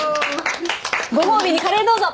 ご褒美にカレーどうぞ！